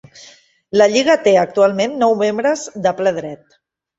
La lliga té actualment nou membres de ple dret.